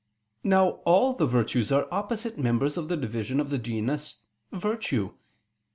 Now all the virtues are opposite members of the division of the genus "virtue."